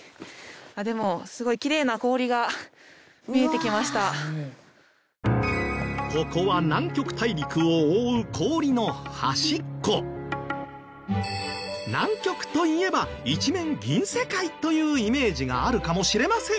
でもすごいここは南極といえば一面銀世界というイメージがあるかもしれませんが。